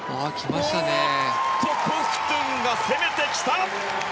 コフトゥンが攻めてきた！